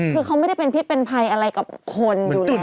คือเขาไม่ได้เป็นพิษเป็นภัยอะไรกับคนอยู่แล้ว